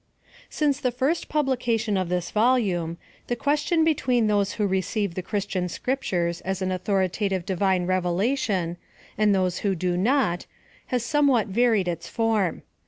Since the first pablication of this volume, the question between those who receive the Christian Scriptures as an Authoritative Divine Revelation, and those who do not, has somewhat varied its form.